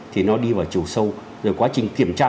thì nó đi vào chiều sâu rồi quá trình kiểm tra